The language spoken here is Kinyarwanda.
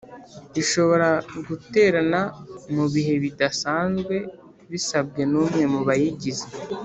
Ishobora guterana mu bihe bidasanzwe bisabwe n’umwe mu bayigize.